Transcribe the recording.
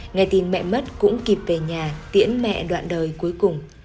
nghe tin mẹ mất cũng kịp về nhà tiễn mẹ đoạn đời cuối cùng